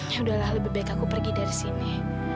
yaudahlah lebih baik aku pergi dari sini